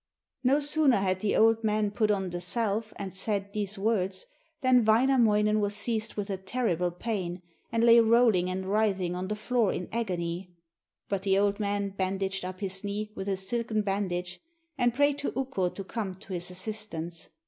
No sooner had the old man put on the salve and said these words, than Wainamoinen was seized with a terrible pain, and lay rolling and writhing on the floor in agony. But the old man bandaged up his knee with a silken bandage, and prayed to Ukko to come to his assistance.